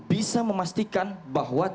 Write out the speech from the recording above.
bisa memastikan bahwa